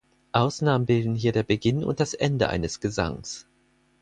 Ausnahmen bilden hier der Beginn und das Ende eines Gesangs.